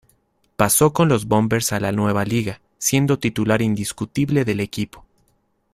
Pasó con los Bombers a la nueva liga, siendo titular indiscutible del equipo.